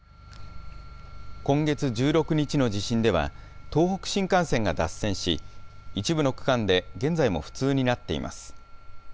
今月１６日の地震では、東北新幹線が脱線し、一部の区間で現在も不通になっています。